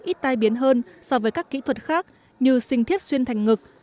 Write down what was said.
ít tai biến hơn so với các kỹ thuật khác như sinh thiết xuyên thành ngực